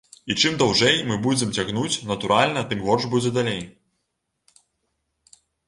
І чым даўжэй мы будзем цягнуць, натуральна, тым горш будзе далей.